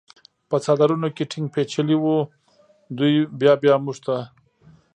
په څادرونو کې ټینګ پېچلي و، دوی بیا بیا موږ ته.